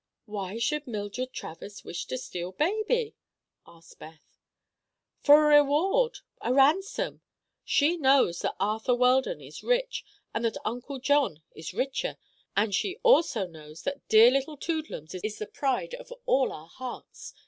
"Why should Mildred Travers wish to steal baby?" asked Beth. "For a reward—a ransom. She knows that Arthur Weldon is rich, and that Uncle John is richer, and she also knows that dear little Toodlums is the pride of all our hearts.